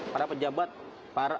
para pejabat para